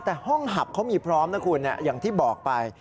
แต่ห้องหับเขามีพร้อมนะคุณอย่างที่บอกไป